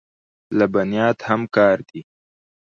لبنیات هم پکار دي.